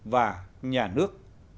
và nhà nước